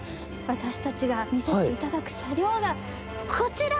私たちが乗せて頂く車両がこちら！